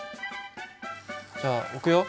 じゃあ置くよ。